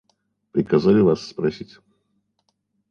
Приказали вас спросить.